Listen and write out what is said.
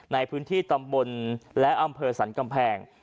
ในพื้นที่ตำบลและอำเภอสรรกำแพง